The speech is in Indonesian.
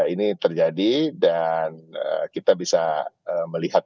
ini terjadi dan kita bisa melihat